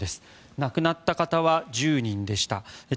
亡くなった方は１０人でした。